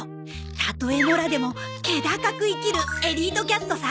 たとえ野良でも気高く生きるエリートキャットさ。